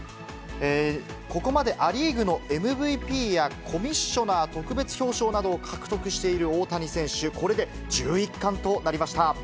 ここまでア・リーグのＭＶＰや、コミッショナー特別表彰などを獲得している大谷選手。